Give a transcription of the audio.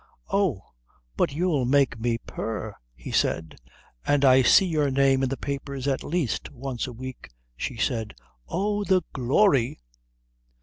"Oh, but you'll make me purr," he said. "And I see your name in the papers at least once a week," she said. "Oh, the glory!"